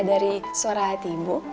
dari suara hati ibu